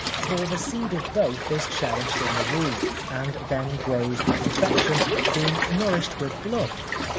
For the seed of both is cherished in the womb, and then grows to perfection, being nourished with blood.